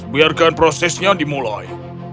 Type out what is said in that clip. biarkan prosesnya dimulai